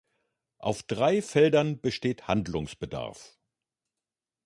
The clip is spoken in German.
Auf drei Feldern besteht Handlungsbedarf.